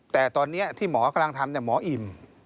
แต่ตอนนี้ที่หมอกำลังทำหมออิ่ม